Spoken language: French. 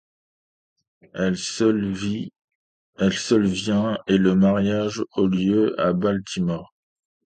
Elle seule vient, et le mariage a lieu à Baltimore.